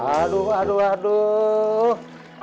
aduh aduh aduh